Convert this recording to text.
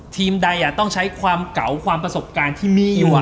ทีมใดต้องใช้ความเก่าความประสบการณ์ที่มีอยู่